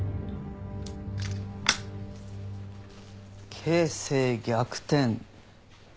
形勢逆転。